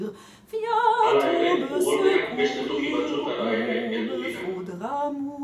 Hala ere, uholdeak beste toki batzuetara ere heldu dira.